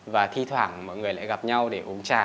và thi thoảng mọi người lại gặp nhau để uống trà